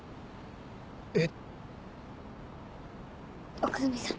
奥泉さん